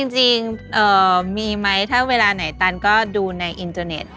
จริงมีไหมถ้าเวลาไหนตันก็ดูในอินเทอร์เน็ต